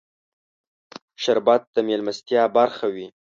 شربت د مېلمستیا برخه وي